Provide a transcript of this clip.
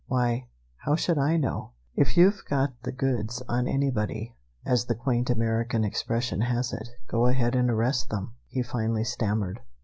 "Why, how should I know? If you've got the goods on anybody, as the quaint American expression has it, go ahead and arrest them," he finally stammered.